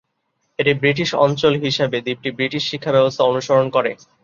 একটি ব্রিটিশ অঞ্চল হিসাবে, দ্বীপটি ব্রিটিশ শিক্ষা ব্যবস্থা অনুসরণ করে।